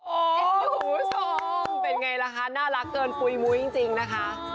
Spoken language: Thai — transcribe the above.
โอ้โหคุณผู้ชมเป็นไงล่ะคะน่ารักเกินปุ๋ยมุ้ยจริงนะคะ